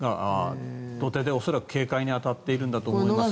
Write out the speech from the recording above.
土手で恐らく警戒に当たっているんだと思います。